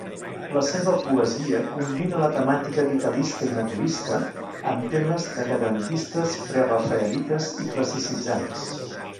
La seva poesia combina la temàtica vitalista i naturista amb temes decadentistes, prerafaelites i classicitzants.